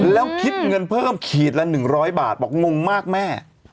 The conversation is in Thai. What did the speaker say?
แล้วคิดเงินเพิ่มขีดละ๑๐๐บาทบอกงงมากแม่